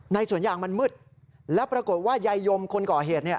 สวนยางมันมืดแล้วปรากฏว่ายายยมคนก่อเหตุเนี่ย